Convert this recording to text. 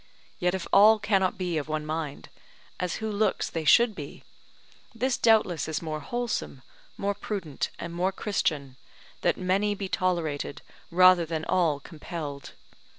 Yet if all cannot be of one mind as who looks they should be? this doubtless is more wholesome, more prudent, and more Christian, that many be tolerated, rather than all compelled.